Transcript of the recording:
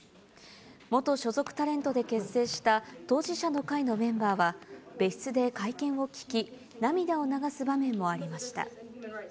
元所属タレントで結成した当事者の会のメンバーは、別室で会見を聞き、涙を流す場面もありました。